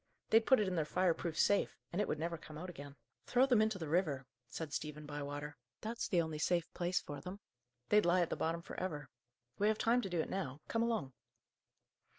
"They'd put it in their fire proof safe, and it would never come out again." "Throw them into the river," said Stephen Bywater. "That's the only safe place for them: they'd lie at the bottom for ever. We have time to do it now. Come along."